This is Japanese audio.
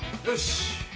よし。